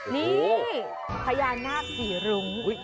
นี่พญานาคสีรุ้ง